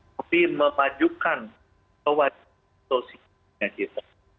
tapi memajukan kewajiban sosialnya kita